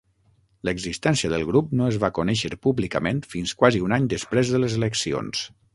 L'existència del grup no es va conèixer públicament fins quasi un any després de les eleccions.